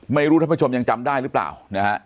ไม่รู้ท่านผู้ชมยังจำได้หรือเปล่านะฮะ